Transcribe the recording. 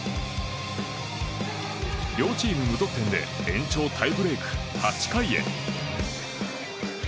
両チーム無得点で延長タイブレーク８回へ。